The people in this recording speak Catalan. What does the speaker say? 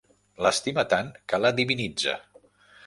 L'estima tant, que la divinitza!